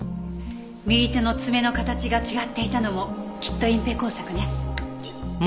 右手の爪の形が違っていたのもきっと隠蔽工作ね。